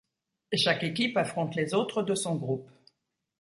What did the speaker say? Chaque équipe affronte les autres de son groupe.